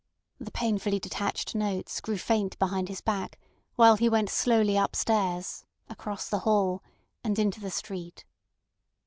The painfully detached notes grew faint behind his back while he went slowly upstairs, across the hall, and into the street.